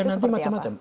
ya dia nanti macam macam